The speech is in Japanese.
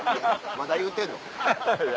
まだ言うてんの？